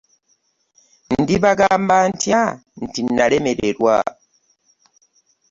Ndibagamba ntya nti nalemererwa?